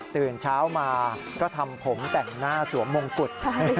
ตื่นเช้ามาก็ทำผมแต่งหน้าสวมมงกุฎ